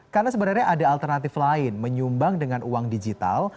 karena sebenarnya ada alternatif lain menyumbang dengan uang digital